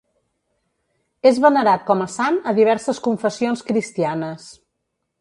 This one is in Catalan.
És venerat com a sant a diverses confessions cristianes.